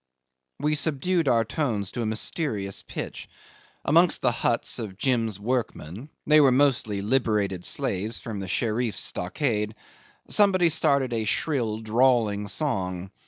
We subdued our tones to a mysterious pitch. Amongst the huts of Jim's workmen (they were mostly liberated slaves from the Sherif's stockade) somebody started a shrill, drawling song.